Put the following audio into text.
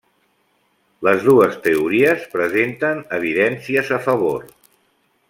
Les dues teories presenten evidències a favor.